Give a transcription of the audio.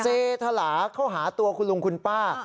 เสถลาเข้าหาตัวคุณลุงคุณป้า